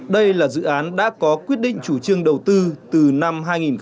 đây là dự án đã có quyết định chủ trương đầu tư từ năm hai nghìn một mươi